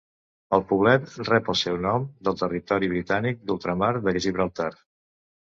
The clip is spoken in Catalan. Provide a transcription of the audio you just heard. El poblet rep el seu nom del territori britànic d"ultramar de Gibraltar.